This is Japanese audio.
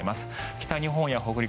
北日本や北陸